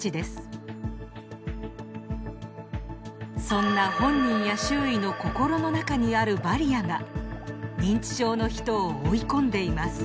そんな本人や周囲の心の中にあるバリアが認知症の人を追い込んでいます。